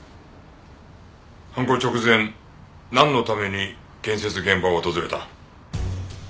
犯行直前なんのために建設現場を訪れた？